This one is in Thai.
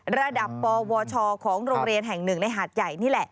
ระดับปวชของโรงเรียนแห่งหนึ่งในหาดใหญ่นี่แหละ